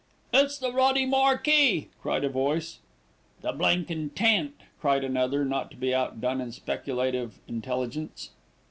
"It's the ruddy marquee," cried a voice. "The blinkin' tent," cried another, not to be outdone in speculative intelligence.